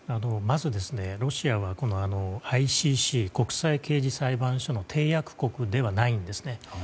まず、ロシアはＩＣＣ・国際刑事裁判所の締約国ではないんです。